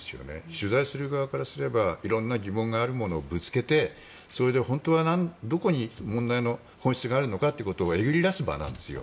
取材する側からすれば色んな疑問があるものをぶつけてそれで本当はどこに問題の本質があるのかということをえぐり出す場なんですよ。